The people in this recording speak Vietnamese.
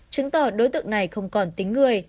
chứng tỏ đối tượng này không còn tính người